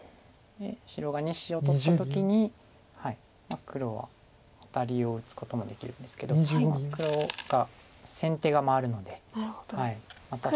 白が２子を取った時に黒はアタリを打つこともできるんですけど黒が先手が回るのでまた